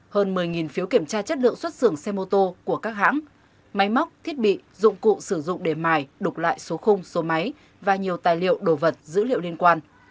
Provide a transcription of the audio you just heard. hơn một mươi phiếu kiểm tra chất lượng xuất xưởng xe mô tô của các hãng máy móc thiết bị dụng cụ sử dụng để mài đục lại số khung số máy và nhiều tài liệu đồ vật dữ liệu liên quan